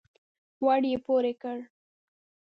ور يې پورې کړ.